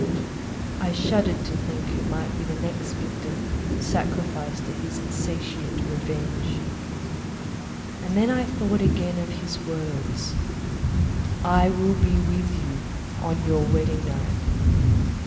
I shuddered to think who might be the next victim sacrificed to his insatiate revenge. And then I thought again of his words—"_I will be with you on your wedding night.